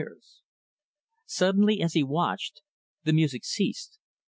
Suddenly, as he watched, the music ceased.